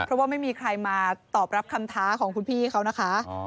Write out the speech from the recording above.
เพราะว่าไม่มีใครมาตอบรับคำท้าของคุณพี่เขานะคะ